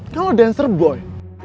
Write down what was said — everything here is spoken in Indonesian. kan lu dancer boy